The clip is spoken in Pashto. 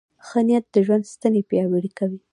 ښه نیت د ژوند ستنې پیاوړې کوي.